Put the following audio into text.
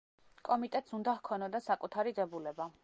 კომიტეტს უნდა ჰქონოდა საკუთარი დებულება.